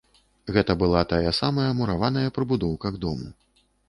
Гэта была тая самая мураваная прыбудоўка к дому.